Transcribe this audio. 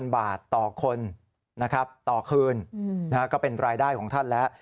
๑๐๐๐บาทต่อคนต่อคืนก็เป็นรายได้ของท่านแล้ว